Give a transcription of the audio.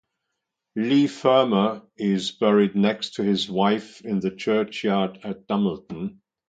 Leigh Fermor is buried next to his wife in the churchyard at Dumbleton.